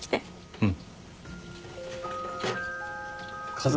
うん。